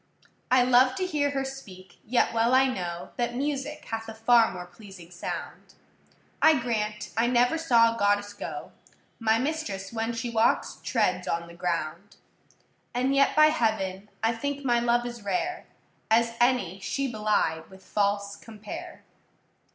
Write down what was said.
I love to hear her speak, yet well I know That music hath a far more pleasing sound: I grant I never saw a goddess go; My mistress, when she walks, treads on the ground: And yet by heaven, I think my love as rare, As any she belied with false compare.